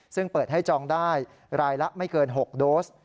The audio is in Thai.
ซึ่งเปิดให้จองได้รายละไม่เกิน๖โดส